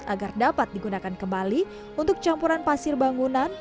agar dapat digunakan kembali untuk campuran pasir bangunan